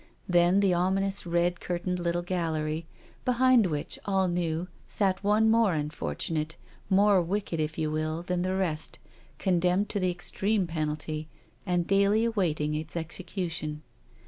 Then the ominous red curtained little gallery, behind which, all knew, sat one more unfortunate, more wicked if you will, than the rest, condemned to the extreme penalty, and daily awaiting its execution.